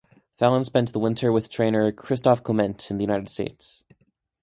Fallon spent the winter with trainer Christophe Clement in the United States.